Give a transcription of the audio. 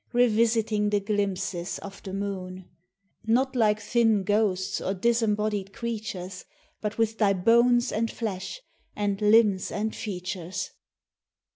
Revisiting the glimpses of the moon, — 23G POEMS OF SENTIMENT. Not like thin ghosts or disembodied creatures, But with thy bones and flesh and limbs and features.